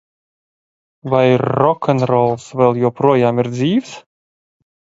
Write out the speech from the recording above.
Vai rokenrols vēl joprojām ir dzīvs?